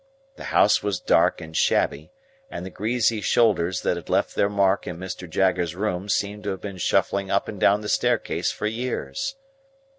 The house was dark and shabby, and the greasy shoulders that had left their mark in Mr. Jaggers's room seemed to have been shuffling up and down the staircase for years.